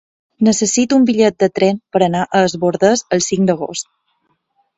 Necessito un bitllet de tren per anar a Es Bòrdes el cinc d'agost.